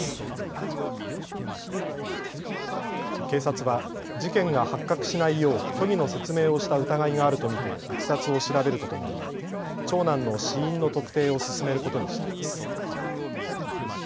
警察は事件が発覚しないよう虚偽の説明をした疑いがあると見ていきさつを調べるとともに長男の死因の特定を進めることにしています。